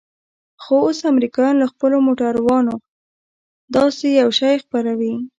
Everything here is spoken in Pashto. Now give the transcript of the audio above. خو اوس امريکايان له خپلو موټرانو داسې يو شى خپروي.